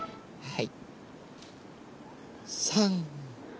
はい。